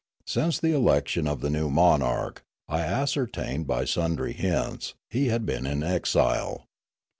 Since the election of the new monarch, I ascertained by sundry hints, he had been in exile.